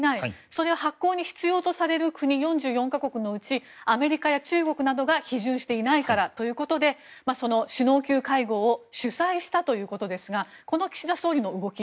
それは発効に必要とされる国４４か国のうちアメリカや中国などが批准していないからということで首脳級会合を主催したということですがこの岸田総理の動き